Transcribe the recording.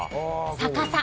逆さ。